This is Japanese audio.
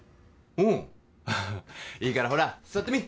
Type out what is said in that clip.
うんいいからほら座ってみ